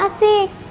bapak mau beli mainan